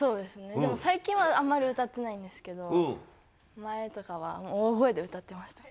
でも最近は、あんまり歌ってないんですけど、前とかは、大声で歌ってましたね。